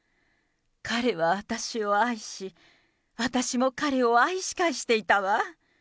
彼は私を愛し、私も彼を愛し返していたわ。